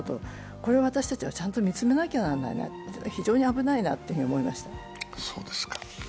これは私たちはちゃんと見つめなきゃならないなと、非常に危ないなと思いました。